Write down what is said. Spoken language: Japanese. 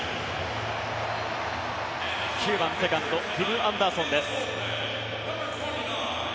９番セカンドティム・アンダーソンです。